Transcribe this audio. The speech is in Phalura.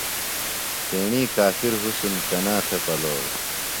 تیݨی کافِر حُسن کنا تھےۡ پلوڑ۔